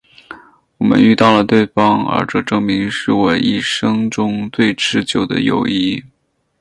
我们遇到了对方而这证明是我一生中最持久的友谊。